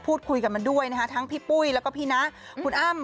พูดคุยกับมันด้วยนะคะทั้งพี่ปุ้ยแล้วก็พี่นะคุณอ้ำ